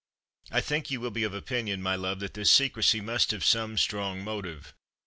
I think you will be of opinion, my love, that this secrecy must have had some strong motive.